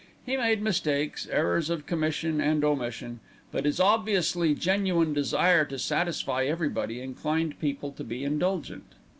He made mistakes, errors of commission and omission; but his obviously genuine desire to satisfy everybody inclined people to be indulgent.